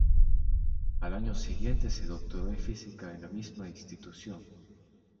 Al año siguiente se doctoró en física en la misma institución.